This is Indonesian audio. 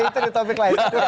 itu di topik lain